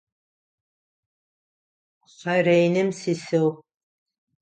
Хъэреным сисыгъ.